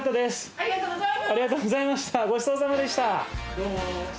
ありがとうございます。